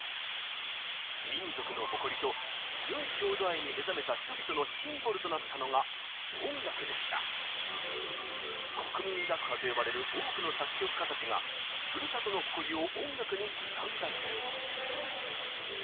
民族の誇りと強い郷土愛に目覚めた人々の国民楽派と呼ばれる多くの作曲家たちがふるさとの誇りを音楽に刻んだのです。